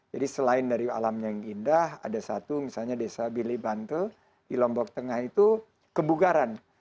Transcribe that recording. jadi selain dari alamnya yang indah ada satu misalnya desa bilibantel di lombok tengah itu kebugaran